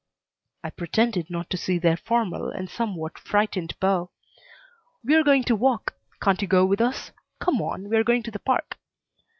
I pretended not to see their formal and somewhat frightened bow. "We're going to walk. Can't you go with us? Come on. We're going to the park."